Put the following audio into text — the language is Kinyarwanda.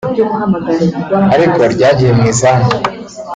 ariko ryagiye mu izamu